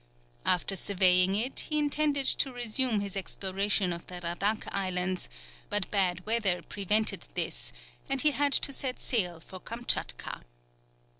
After surveying it, he intended to resume his exploration of the Radak Islands, but bad weather prevented this, and he had to set sail for Kamtchatka.